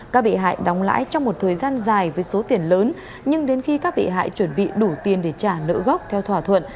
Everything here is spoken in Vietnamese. các bị hại đóng lãi trong một thời gian dài với số tiền lớn nhưng đến khi các bị hại chuẩn bị đủ tiền để trả nỡ gốc theo thỏa thuận